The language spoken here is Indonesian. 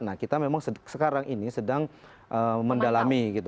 nah kita memang sekarang ini sedang mendalami gitu